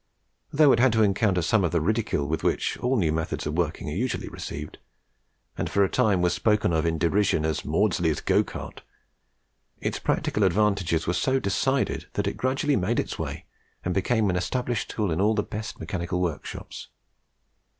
Though it had to encounter some of the ridicule with which new methods of working are usually received, and for a time was spoken of in derision as "Maudslay's Go cart," its practical advantages were so decided that it gradually made its way, and became an established tool in all the best mechanical workshops.